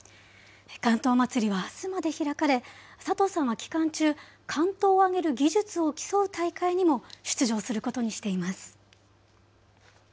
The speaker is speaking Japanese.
竿燈まつりはあすまで開かれ、佐藤さんは期間中、竿燈をあげる技術を競う大会にも出場することにしています。